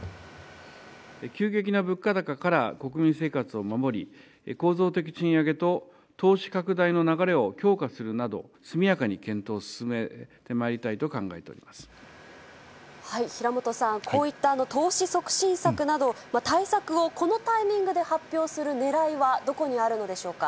急激な物価高から国民生活を守り、構造的賃上げと投資拡大の流れを強化するなど、速やかに検討を進平本さん、こういった投資促進策など、対策をこのタイミングで発表するねらいはどこにあるのでしょうか。